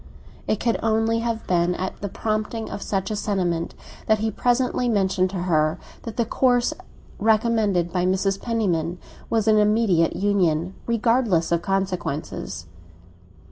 It could only have been at the prompting of such a sentiment that he presently mentioned to her that the course recommended by Mrs. Penniman was an immediate union, regardless of consequences.